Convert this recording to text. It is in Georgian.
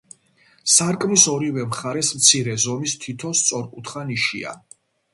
სარკმლის ორივე მხარეს მცირე ზომის თითო სწორკუთხა ნიშია.